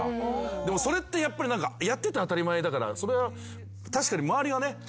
でもそれってやっぱりやってて当たり前だからそれは確かに。